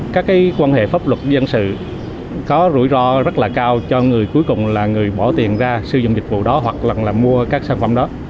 các quan hệ pháp luật dân sự có rủi ro rất là cao cho người cuối cùng là người bỏ tiền ra sử dụng dịch vụ đó hoặc là mua các sản phẩm đó